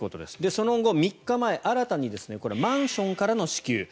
その後、３日前新たにマンションからの支給